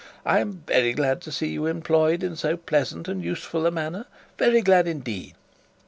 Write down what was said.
'I am very glad to see you employed in so pleasant and useful a manner; very glad indeed.'